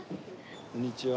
こんにちは。